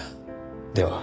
では。